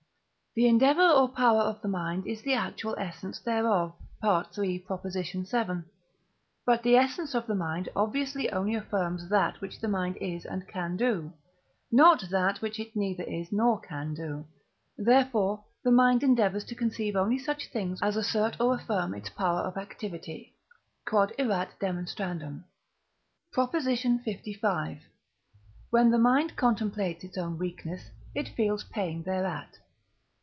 The endeavour or power of the mind is the actual essence thereof (III. vii.); but the essence of the mind obviously only affirms that which the mind is and can do; not that which it neither is nor can do; therefore the mind endeavours to conceive only such things as assert or affirm its power of activity. Q.E.D. PROP. LV. When the mind contemplates its own weakness, it feels pain thereat.